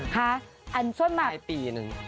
ฮะอันส่วนมากในปีนึง